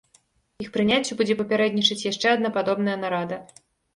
Іх прыняццю будзе папярэднічаць яшчэ адна падобная нарада.